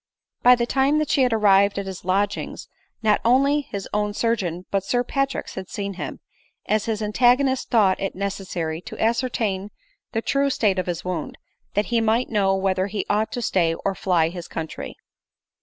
By the time that she had arrived at his lodgings, not only his own surgeon but Sir Patrick's had seen him ; as his antagonist thought it necessary to ascertain the true state of his wound, that he might know whether he ought to stay, or fly his country.